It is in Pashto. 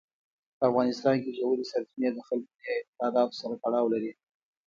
په افغانستان کې ژورې سرچینې د خلکو د اعتقاداتو سره تړاو لري.